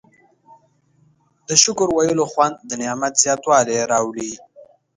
د شکر ویلو خوند د نعمت زیاتوالی راوړي.